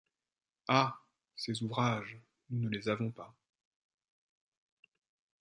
Ah ! ses ouvrages, nous ne les avons pas !